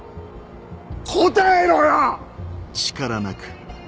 答えろよ！